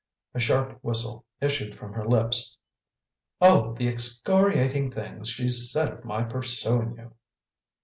A sharp whistle issued from her lips. "Oh! the EXCORIATING things she's said of my pursuing you!"